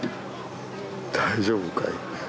大丈夫かい？